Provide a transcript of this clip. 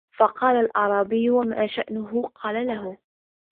فَقَالَ الْأَعْرَابِيُّ مَا شَأْنُهُ ؟ قَالَ لَهُ